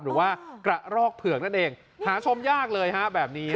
หรือว่ากระรอกเผือกนั่นเองหาชมยากเลยฮะแบบนี้